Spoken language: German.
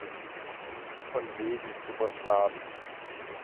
Von wegen Superstaat!